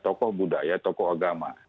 tokoh budaya tokoh agama